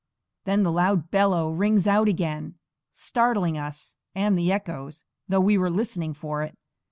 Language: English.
Then the loud bellow rings out again, startling us and the echoes, though we were listening for it.